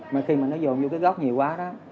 mà khi mà nó dồn vô cái gốc nhiều quá đó